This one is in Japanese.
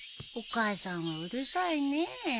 お母さんはうるさいね。